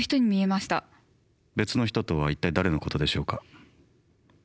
別の人とは一体誰のことでしょうか？